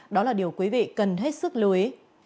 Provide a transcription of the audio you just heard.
đó là điều quý vị cần hết sức lưu ý